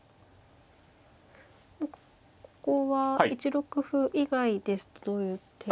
ここは１六歩以外ですとどういう手が。